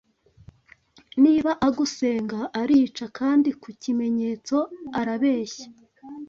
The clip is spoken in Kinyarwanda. niba agusenga arica kandi ku kimenyetso arabeshya